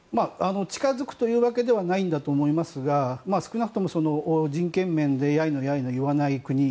近づくというわけではないんだと思いますが少なくとも人権面でやいのやいの言わない国